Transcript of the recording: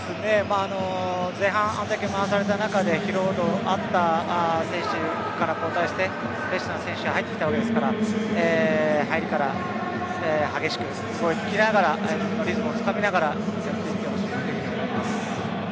前半、あれだけ回された中で疲労度あった選手から交代してフレッシュな選手が入ってきたわけですから入りから激しく動きながらリズムをつかみながらいってほしいと思います。